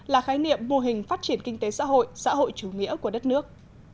là khái niệm mô hình phát triển kinh tế xã hội xã hội chủ nghĩa của đất nước